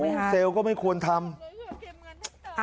เป็นเซลล์ก็ไม่ควรทำ